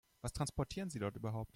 Was transportieren Sie dort überhaupt?